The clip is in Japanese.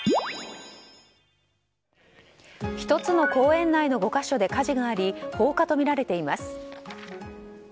１つの公園内の５か所で火事があり放火とみられています。